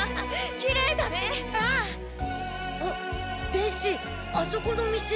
伝七あそこの道。